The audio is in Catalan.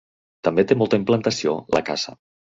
També té molta implantació la caça.